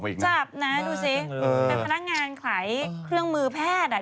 จับนะดูสิเป็นพนักงานขายเครื่องมือแพทย์อ่ะ